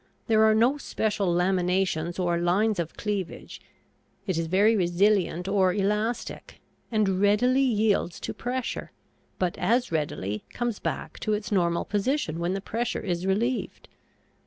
There are no special laminations or lines of cleavage; it is very resilient or elastic, and readily yields to pressure, but as readily comes back to its normal position when the pressure is relieved.